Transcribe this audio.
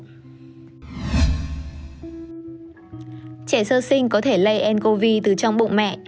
trẻ sơ sinh có thể lây ncov từ trong bụng mẹ